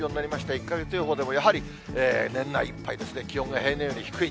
１か月予報でもやはり年内いっぱい気温が平年より低い。